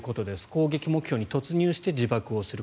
攻撃目標に突入して自爆する。